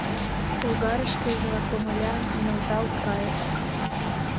Логарышкыже комыля нӧлталт кайыш.